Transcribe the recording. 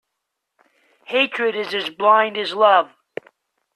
Hatred is as blind as love.